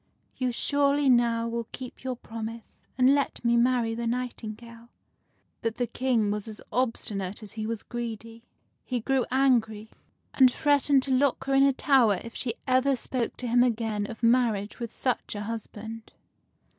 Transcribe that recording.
You surely now will keep your promise, and let me marry the nightingale." But the King was as obstinate as he was greedy. He grew angry, and threatened to lock her in a tower if she ever spoke to him again of marriage with such a husband.